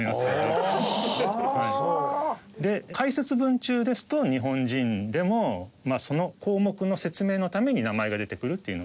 で解説文中ですと日本人でもその項目の説明のために名前が出てくるっていうのが。